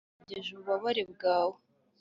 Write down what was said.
nari nogeje ububabare bwawe